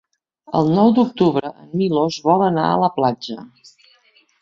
El nou d'octubre en Milos vol anar a la platja.